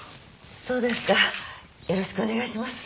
そうですかよろしくお願いします。